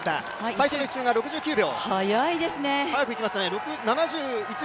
最初の１周が６９秒。